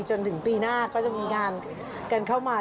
จนถึงปีหน้าก็จะมีงานกันเข้ามา